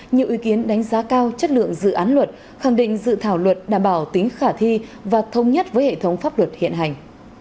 nhiều ý kiến đánh giá cao chất lượng dự án luật khẳng định dự thảo luật đảm bảo tính khả thi và thông nhất với hệ thống pháp luật hiện hành